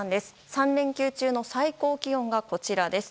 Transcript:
３連休中の最高気温がこちらです。